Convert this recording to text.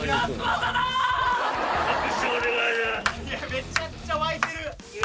めちゃくちゃ沸いてる！